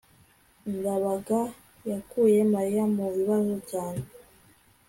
ndabaga yakuye mariya mu bibazo cyane